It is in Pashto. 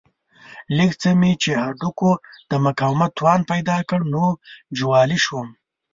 لږ څه مې چې هډوکو د مقاومت توان پیدا کړ نو جوالي شوم.